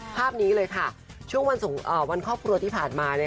ภาพนี้เลยค่ะช่วงวันครอบครัวที่ผ่านมา